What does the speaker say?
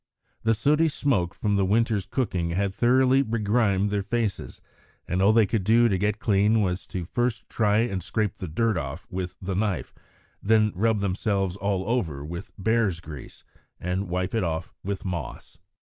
The sooty smoke from the winter's cooking had thoroughly begrimed their faces, and all they could do to get clean was first to try and scrape the dirt off with the knife, and then rub themselves all over with bear's grease and wipe it off with moss.